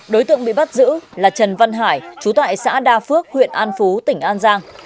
đối tượng bị bắt giữ là trần văn hải chú tại xã đa phước huyện an phú tỉnh an giang